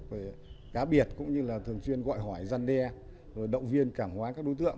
về cá biệt cũng như là thường xuyên gọi hỏi giăn đe động viên cảng hóa các đối tượng